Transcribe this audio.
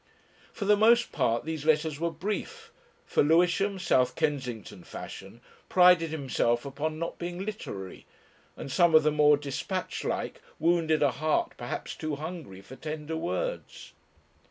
For the most part these letters were brief, for Lewisham, South Kensington fashion, prided himself upon not being "literary," and some of the more despatch like wounded a heart perhaps too hungry for tender words.